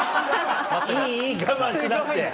いいいい我慢しなくて。